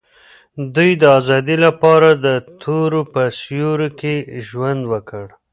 دوی د آزادۍ لپاره د تورو په سیوري کې ژوند وکړ.